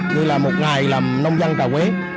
như là một ngày làm nông dân trà quế